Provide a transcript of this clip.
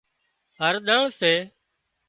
هۯۮۯ سي